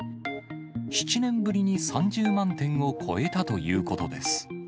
７年ぶりに３０万点を超えたということです。